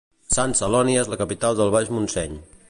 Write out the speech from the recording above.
Sant Celoni és la capital del Baix Montseny